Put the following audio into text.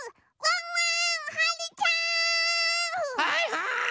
はいはい！